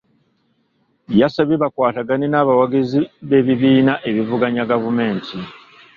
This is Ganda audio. Yabasabye bakwatagane n'abawagizi b'ebibiina ebivuganya gavumenti.